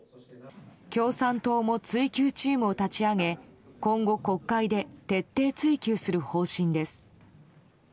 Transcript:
共産党も追及チームを立ち上げ今後国会で徹底追及する方針です。